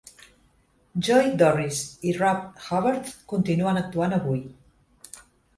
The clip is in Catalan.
Joy Dorris i Rob Hubertz continuen actuant avui.